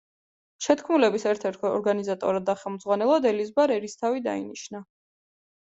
შეთქმულების ერთ-ერთ ორგანიზატორად და ხელმძღვანელად ელიზბარ ერისთავი დაინიშნა.